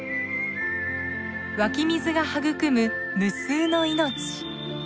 湧き水が育む無数の命。